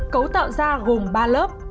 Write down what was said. cấu tạo da gồm ba lớp